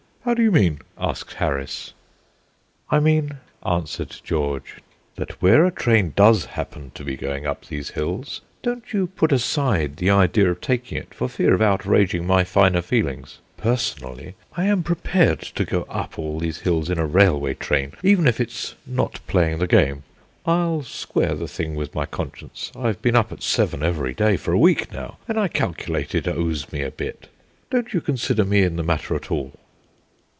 "How do you mean?" asked Harris. "I mean," answered George, "that where a train does happen to be going up these hills, don't you put aside the idea of taking it for fear of outraging my finer feelings. Personally, I am prepared to go up all these hills in a railway train, even if it's not playing the game. I'll square the thing with my conscience; I've been up at seven every day for a week now, and I calculate it owes me a bit. Don't you consider me in the matter at all."